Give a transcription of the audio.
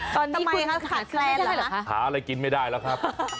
ทำไมคะคลัดแคลนละคะหาอะไรกินไม่ได้ล่ะครับ